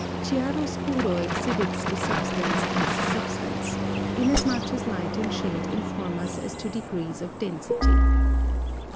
Chiaro scuro exhibits the substance as substance, inasmuch as light and shade inform us as to degrees of density.